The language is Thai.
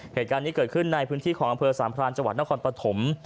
เหตุการณ์นี้เกิดขึ้นในพื้นที่ของอำเภอสามพรานจังหวัดนครปฐม